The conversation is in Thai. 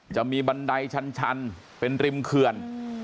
บันไดชันเป็นริมเขื่อน